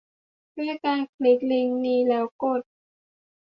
ด้วยการคลิกลิงก์นี้แล้วกด